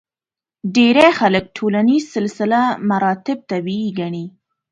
ډېری خلک ټولنیز سلسله مراتب طبیعي ګڼي.